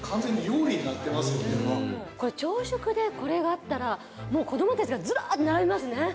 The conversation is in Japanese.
朝食でこれがあったらもう子供たちがずらーって並びますね。